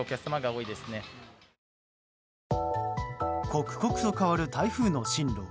刻々と変わる台風の進路。